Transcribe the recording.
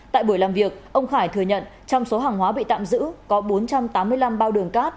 tại buổi làm việc ông khải thừa nhận trong số hàng hóa bị tạm giữ có bốn trăm tám mươi năm bao đường cát